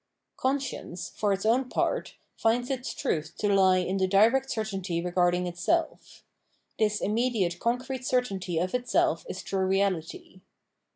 Conscience, for its own part, ^ds its truth to lie in the direct cer tainty regarding itseK. This immediate concrete cer tainty of itself is true reality.